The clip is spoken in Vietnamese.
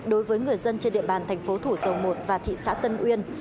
đối với người dân trên địa bàn thành phố thủ dầu một và thị xã tân uyên